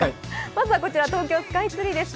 まずは東京スカイツリーです。